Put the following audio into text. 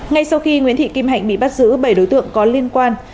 ngay sau khi nguyễn thị kim hạnh bị bắt giữ bảy đối tượng có liên quan